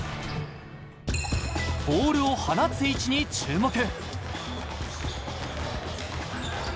ボールを放つ位置に注目。